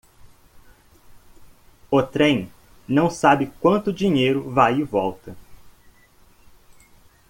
O trem não sabe quanto dinheiro vai e volta.